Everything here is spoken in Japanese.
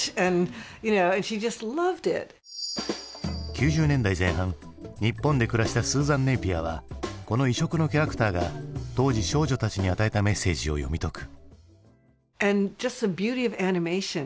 ９０年代前半日本で暮らしたスーザン・ネイピアはこの異色のキャラクターが当時少女たちに与えたメッセージを読み解く。